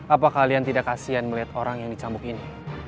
apa kalian tidak kasihan melihat orang yang dicamuk ini